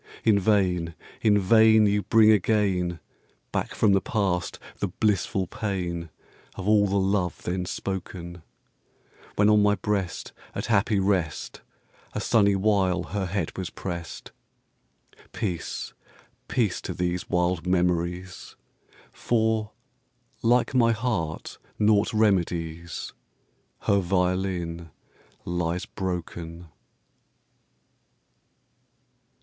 In vain, in vain, you bring again Back from the past the blissful pain Of all the love then spoken; When on my breast, at happy rest, A sunny while her head was pressed Peace, peace to these wild memories! For, like my heart naught remedies, Her violin lies broken.